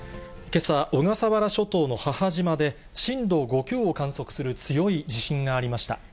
けさ、小笠原諸島の母島で、震度５強を観測する強い地震がありました。